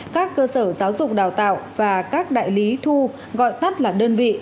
các cơ sở giáo dục đào tạo và các đại lý thu gọi tắt là đơn vị